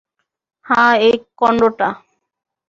হ্যাঁ, এই কন্ডোটা।